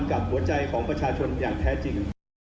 กับหัวใจของประชาชนอย่างแท้จริง